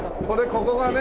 ここがね。